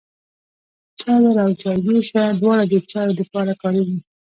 چايبر او چايجوشه دواړه د چايو د پاره کاريږي.